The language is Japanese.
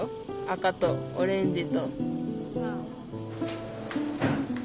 赤とオレンジと。